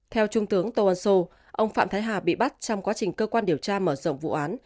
theo trung tướng tô ân sô ông phạm thái hà bị bắt trong quá trình cơ quan điều tra mở rộng vụ án